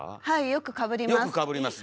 「よくかぶります」